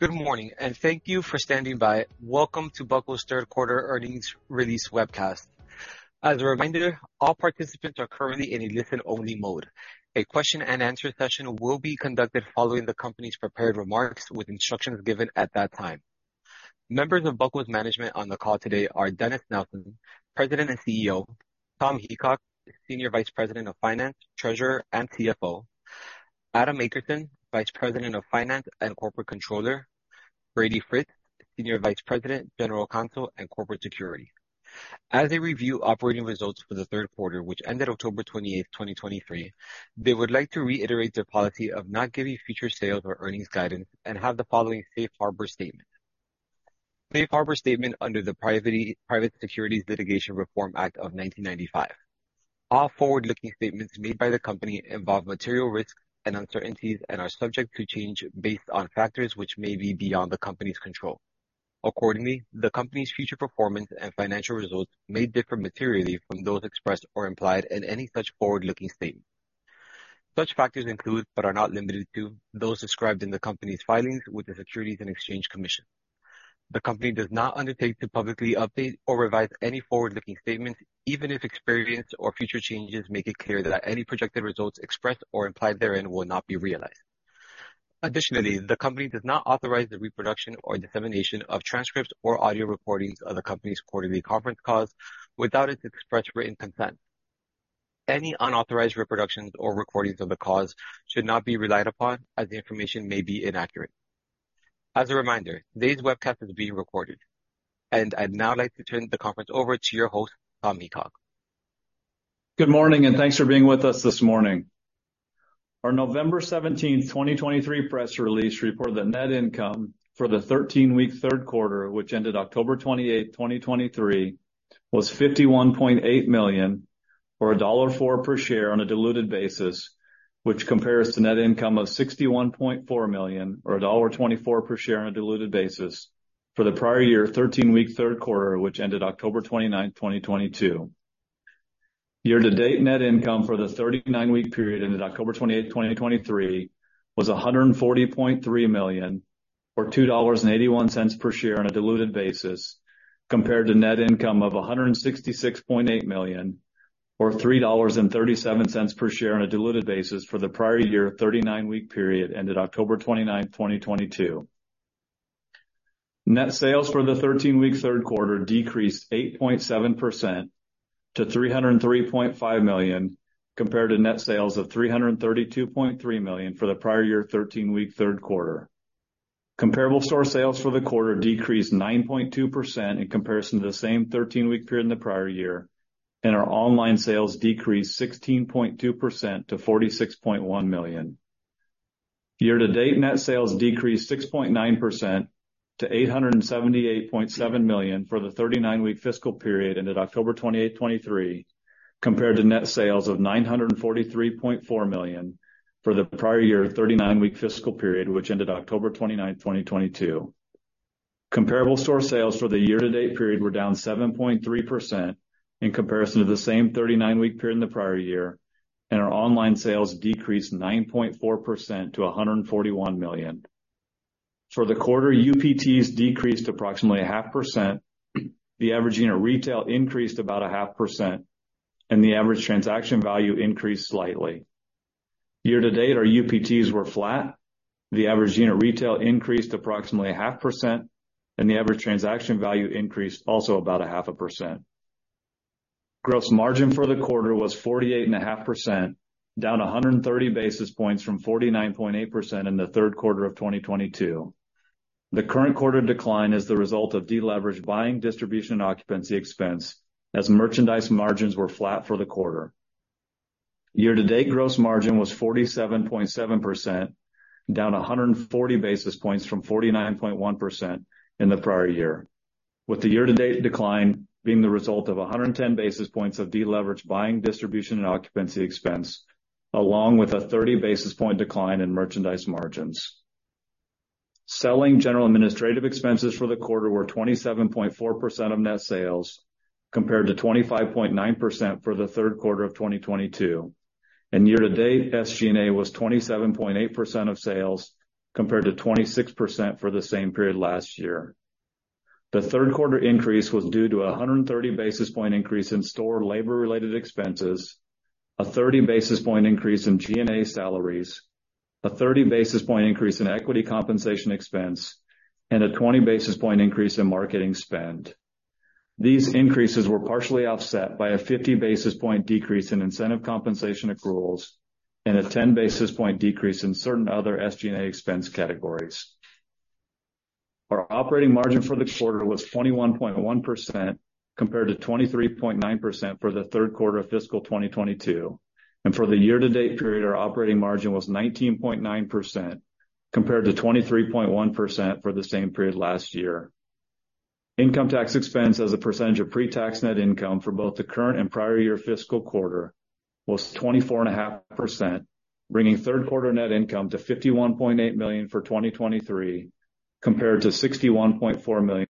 Good morning, and thank you for standing by. Welcome to Buckle's third quarter earnings release webcast. As a reminder, all participants are currently in a listen-only mode. A question-and-answer session will be conducted following the company's prepared remarks with instructions given at that time. Members of Buckle's management on the call today are Dennis Nelson, President and CEO; Tom Heacock, Senior Vice President of Finance, Treasurer, and CFO; Adam Ackerson, Vice President of Finance and Corporate Controller; Brady Fritz, Senior Vice President, General Counsel, and Corporate Secretary. As they review operating results for the third quarter, which ended October 28, 2023, they would like to reiterate their policy of not giving future sales or earnings guidance and have the following Safe Harbor statement. Safe Harbor statement under the Private Securities Litigation Reform Act of 1995. All forward-looking statements made by the company involve material risks and uncertainties and are subject to change based on factors which may be beyond the company's control. Accordingly, the company's future performance and financial results may differ materially from those expressed or implied in any such forward-looking statements. Such factors include, but are not limited to, those described in the company's filings with the Securities and Exchange Commission. The company does not undertake to publicly update or revise any forward-looking statements, even if experience or future changes make it clear that any projected results expressed or implied therein will not be realized. Additionally, the company does not authorize the reproduction or dissemination of transcripts or audio recordings of the company's quarterly conference calls without its express written consent. Any unauthorized reproductions or recordings of the calls should not be relied upon, as the information may be inaccurate. As a reminder, today's webcast is being recorded. I'd now like to turn the conference over to your host, Tom Heacock. Good morning, and thanks for being with us this morning. Our November 17, 2023, press release reported that net income for the 13-week third quarter, which ended October 28, 2023, was $51.8 million, or $1.04 per share on a diluted basis, which compares to net income of $61.4 million or $1.24 per share on a diluted basis for the prior year, 13-week third quarter, which ended October 29, 2022. Year-to-date net income for the 39-week period ended October 28, 2023, was $140.3 million, or $2.81 per share on a diluted basis, compared to net income of $166.8 million, or $3.37 per share on a diluted basis for the prior year, 39-week period ended October 29, 2022. Net sales for the 13-week third quarter decreased 8.7% to $303.5 million, compared to net sales of $332.3 million for the prior year, 13-week third quarter. Comparable store sales for the quarter decreased 9.2% in comparison to the same 13-week period in the prior year, and our online sales decreased 16.2% to $46.1 million. Year-to-date net sales decreased 6.9% to $878.7 million for the 39-week fiscal period ended October 28, 2023, compared to net sales of $943.4 million for the prior year, 39-week fiscal period, which ended October 29, 2022. Comparable store sales for the year-to-date period were down 7.3% in comparison to the same 39-week period in the prior year, and our online sales decreased 9.4% to $141 million. For the quarter, UPTs decreased approximately 0.5%, the average unit retail increased about 0.5%, and the average transaction value increased slightly. Year-to-date, our UPTs were flat, the average unit retail increased approximately 0.5%, and the average transaction value increased also about 0.5%. Gross margin for the quarter was 48.5%, down 130 basis points from 49.8% in the third quarter of 2022. The current quarter decline is the result of deleveraged buying, distribution, and occupancy expense as merchandise margins were flat for the quarter. Year-to-date gross margin was 47.7%, down 140 basis points from 49.1% in the prior year, with the year-to-date decline being the result of 110 basis points of deleveraged buying, distribution, and occupancy expense, along with a 30 basis point decline in merchandise margins. Selling general administrative expenses for the quarter were 27.4% of net sales, compared to 25.9% for the third quarter of 2022, and year-to-date SG&A was 27.8% of sales, compared to 26% for the same period last year. The third quarter increase was due to a 130 basis point increase in store labor-related expenses, a 30 basis point increase in G&A salaries, a 30 basis point increase in equity compensation expense, and a 20 basis point increase in marketing spend. These increases were partially offset by a 50 basis point decrease in incentive compensation accruals and a 10 basis point decrease in certain other SG&A expense categories. Our operating margin for the quarter was 21.1%, compared to 23.9% for the third quarter of fiscal 2022, and for the year-to-date period, our operating margin was 19.9%, compared to 23.1% for the same period last year. Income tax expense as a percentage of pre-tax net income for both the current and prior year fiscal quarter was 24.5%, bringing third quarter net income to $51.8 million for 2023, compared to $61.4 million.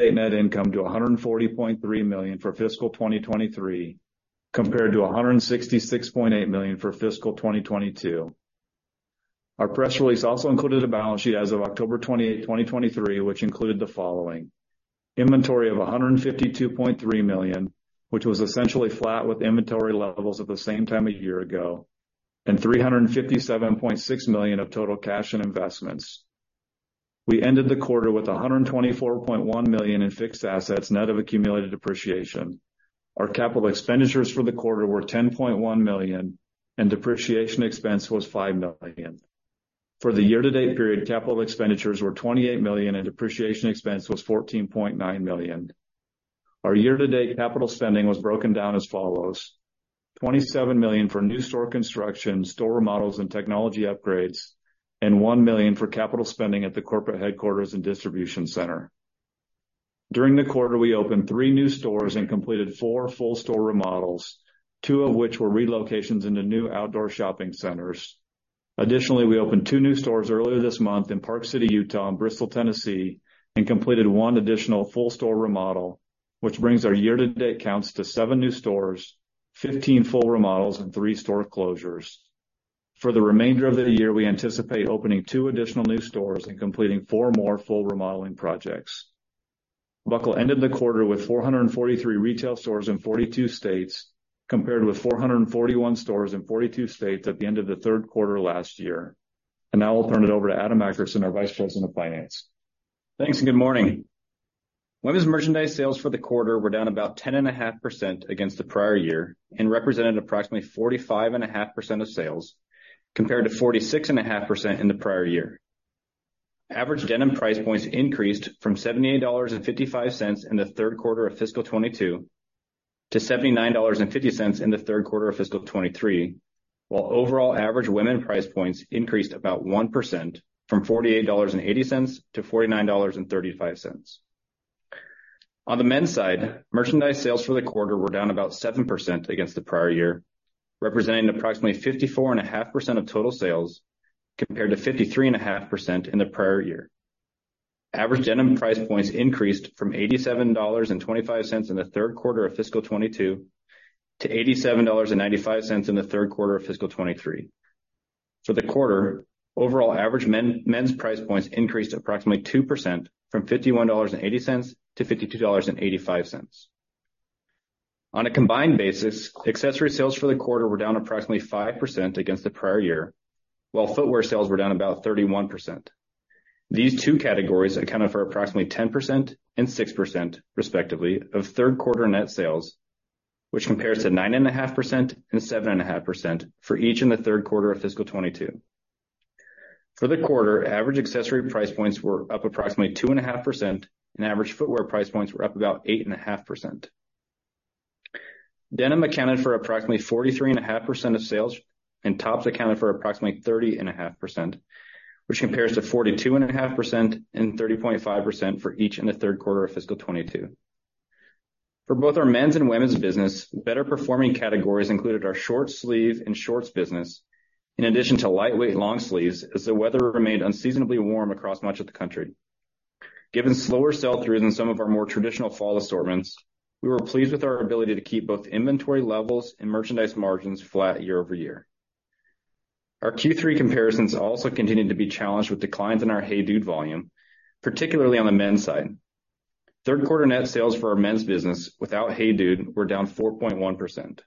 Net income to $140.3 million for fiscal 2023, compared to $166.8 million for fiscal 2022. Our press release also included a balance sheet as of October 28, 2023, which included the following: inventory of $152.3 million, which was essentially flat with inventory levels at the same time a year ago, and $357.6 million of total cash and investments. We ended the quarter with $124.1 million in fixed assets, net of accumulated depreciation. Our capital expenditures for the quarter were $10.1 million, and depreciation expense was $5 million. For the year-to-date period, capital expenditures were $28 million, and depreciation expense was $14.9 million. Our year-to-date capital spending was broken down as follows: $27 million for new store construction, store remodels, and technology upgrades, and $1 million for capital spending at the corporate headquarters and distribution center. During the quarter, we opened three new stores and completed four full store remodels, two of which were relocations into new outdoor shopping centers. Additionally, we opened two new stores earlier this month in Park City, Utah, and Bristol, Tennessee, and completed 1 additional full store remodel, which brings our year-to-date counts to seven new stores, 15 full remodels, and three store closures. For the remainder of the year, we anticipate opening two additional new stores and completing four more full remodeling projects. Buckle ended the quarter with 443 retail stores in 42 states, compared with 441 stores in 42 states at the end of the third quarter last year. And now I'll turn it over to Adam Akerson, our Vice President of Finance. Thanks, and good morning. Women's merchandise sales for the quarter were down about 10.5% against the prior year and represented approximately 45.5% of sales, compared to 46.5% in the prior year. Average denim price points increased from $78.55 in the third quarter of fiscal 2022 to $79.50 in the third quarter of fiscal 2023, while overall average women price points increased about 1% from $48.80 to $49.35. On the men's side, merchandise sales for the quarter were down about 7% against the prior year, representing approximately 54.5% of total sales, compared to 53.5% in the prior year. Average denim price points increased from $87.25 in the third quarter of fiscal 2022 to $87.95 in the third quarter of fiscal 2023. For the quarter, overall average men's price points increased approximately 2% from $51.80 to $52.85. On a combined basis, accessory sales for the quarter were down approximately 5% against the prior year, while footwear sales were down about 31%. These two categories accounted for approximately 10% and 6%, respectively, of third quarter net sales, which compares to 9.5% and 7.5% for each in the third quarter of fiscal 2022. For the quarter, average accessory price points were up approximately 2.5%, and average footwear price points were up about 8.5%. Denim accounted for approximately 43.5% of sales, and tops accounted for approximately 30.5%, which compares to 42.5% and 30.5% for each in the third quarter of fiscal 2022. For both our men's and women's business, better performing categories included our short sleeve and shorts business, in addition to lightweight long sleeves, as the weather remained unseasonably warm across much of the country. Given slower sell-through than some of our more traditional fall assortments, we were pleased with our ability to keep both inventory levels and merchandise margins flat year-over-year. Our Q3 comparisons also continued to be challenged with declines in our HEYDUDE volume, particularly on the men's side. Third quarter net sales for our men's business, without HEYDUDE, were down 4.1%.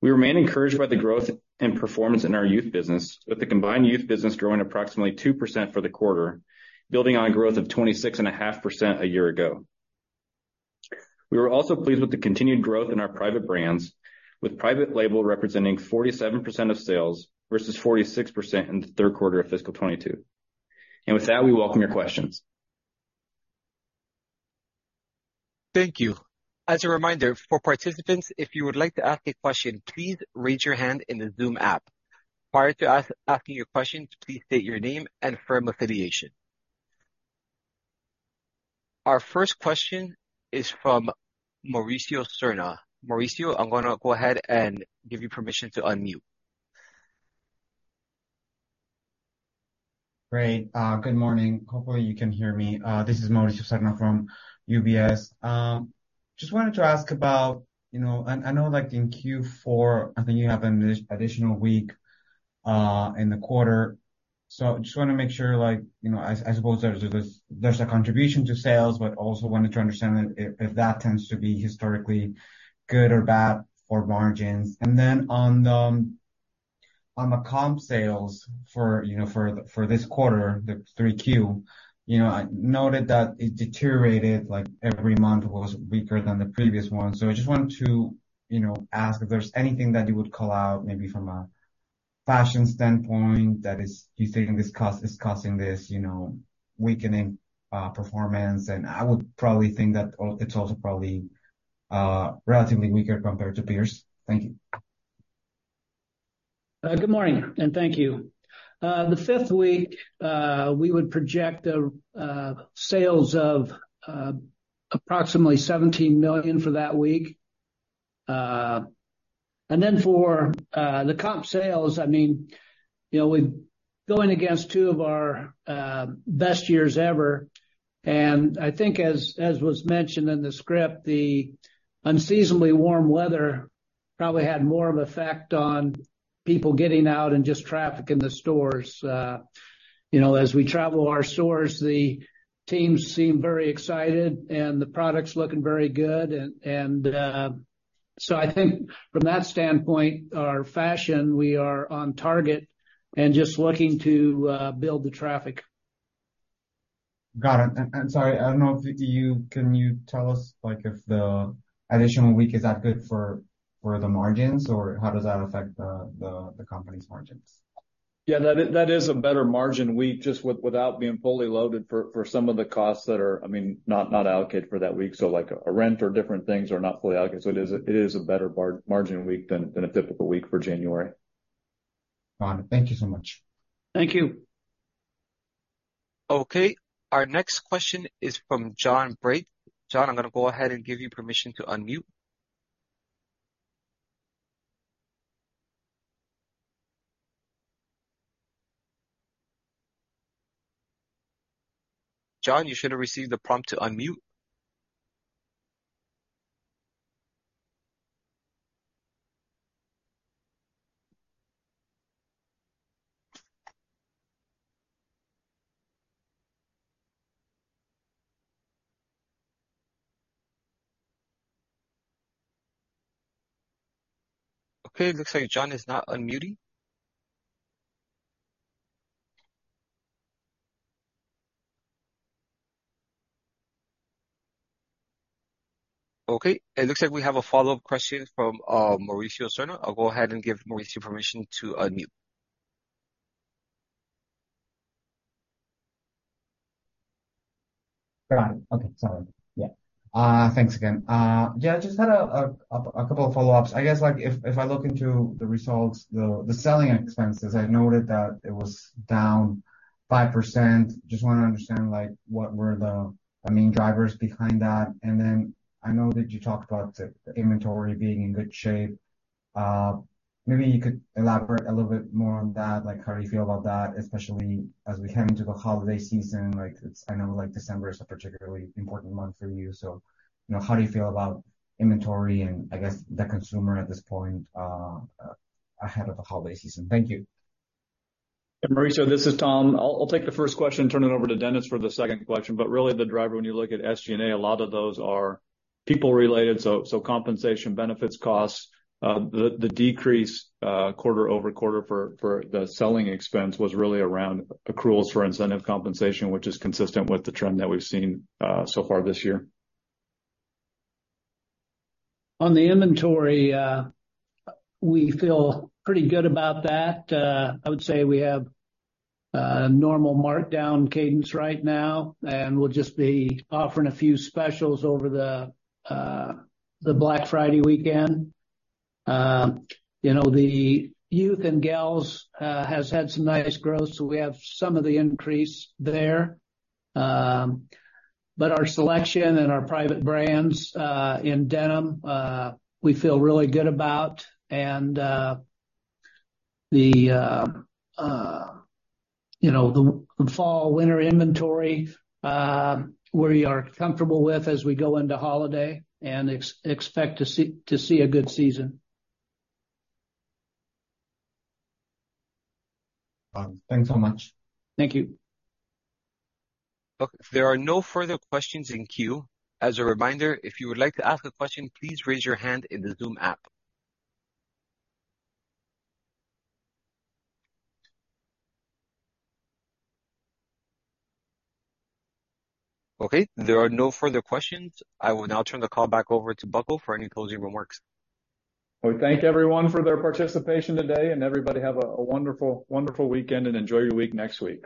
We remain encouraged by the growth and performance in our youth business, with the combined youth business growing approximately 2% for the quarter, building on growth of 26.5% a year ago. We were also pleased with the continued growth in our private brands, with private label representing 47% of sales versus 46% in the third quarter of fiscal 2022. With that, we welcome your questions. Thank you. As a reminder for participants, if you would like to ask a question, please raise your hand in the Zoom app. Prior to asking your question, please state your name and firm affiliation. Our first question is from Mauricio Serna. Mauricio, I'm gonna go ahead and give you permission to unmute. Great. Good morning. Hopefully, you can hear me. This is Mauricio Serna from UBS. Just wanted to ask about, you know... I know, like, in Q4, I think you have an additional week in the quarter. So just wanna make sure, like, you know, I suppose there's a contribution to sales, but also wanted to understand if that tends to be historically good or bad for margins. And then on the comp sales for, you know, for this quarter, the 3Q, you know, I noted that it deteriorated, like, every month was weaker than the previous one. So I just wanted to, you know, ask if there's anything that you would call out, maybe from a fashion standpoint, that is... you think is causing this, you know, weakening performance. I would probably think that it's also probably relatively weaker compared to peers. Thank you. Good morning, and thank you. The fifth week, we would project sales of approximately $17 million for that week.... And then for the comp sales, I mean, you know, we're going against two of our best years ever. And I think as was mentioned in the script, the unseasonably warm weather probably had more of an effect on people getting out and just traffic in the stores. You know, as we travel our stores, the teams seem very excited and the product's looking very good. And so I think from that standpoint, our fashion, we are on target and just looking to build the traffic. Got it. And sorry, I don't know if you... Can you tell us, like, if the additional week is that good for the margins? Or how does that affect the company's margins? Yeah, that is a better margin week, just without being fully loaded for some of the costs that are, I mean, not allocated for that week. So, like, a rent or different things are not fully allocated. So it is a better margin week than a typical week for January. Got it. Thank you so much. Thank you. Okay, our next question is from John Braatz. John, I'm gonna go ahead and give you permission to unmute. John, you should have received the prompt to unmute. Okay, it looks like John is not unmuting. Okay, it looks like we have a follow-up question from Mauricio Serna. I'll go ahead and give Mauricio permission to unmute. Got it. Okay, sorry. Yeah. Thanks again. Yeah, I just had a couple of follow-ups. I guess, like, if I look into the results, the selling expenses, I noted that it was down 5%. Just want to understand, like, what were the, I mean, drivers behind that. And then I know that you talked about the inventory being in good shape. Maybe you could elaborate a little bit more on that. Like, how do you feel about that, especially as we head into the holiday season? Like, it's... I know, like, December is a particularly important month for you, so, you know, how do you feel about inventory and I guess, the consumer at this point ahead of the holiday season? Thank you. Mauricio, this is Tom. I'll take the first question, turn it over to Dennis for the second question. But really, the driver, when you look at SG&A, a lot of those are people-related, so compensation, benefits, costs. The decrease quarter-over-quarter for the selling expense was really around accruals for incentive compensation, which is consistent with the trend that we've seen so far this year. On the inventory, we feel pretty good about that. I would say we have a normal markdown cadence right now, and we'll just be offering a few specials over the Black Friday weekend. You know, the youth and gals has had some nice growth, so we have some of the increase there. But our selection and our private brands in denim we feel really good about. You know, the fall/winter inventory we are comfortable with as we go into holiday and expect to see a good season. Thanks so much. Thank you. Look, there are no further questions in queue. As a reminder, if you would like to ask a question, please raise your hand in the Zoom app. Okay, there are no further questions. I will now turn the call back over to Buckle for any closing remarks. We thank everyone for their participation today, and everybody have a wonderful weekend and enjoy your week next week.